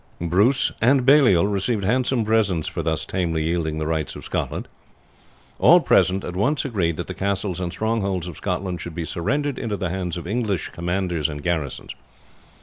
"Bruce and Baliol received handsome presents for thus tamely yielding the rights of Scotland. All present at once agreed that the castles and strongholds of Scotland should be surrendered into the hands of English commanders and garrisons.